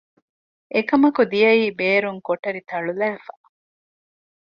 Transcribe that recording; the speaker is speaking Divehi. އެކަމަކު ދިޔައީ ބޭރުން ކޮޓަރި ތަޅުލައިފަ